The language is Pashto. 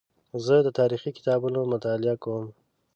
زه د تاریخي کتابونو مطالعه کوم.